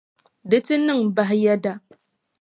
Di ti niŋ bahi yɛda.